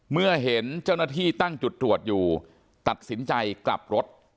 เมื่อเห็นเจ้าหน้าที่ตั้งจุดตรวจอยู่ตัดสินใจกลับรถ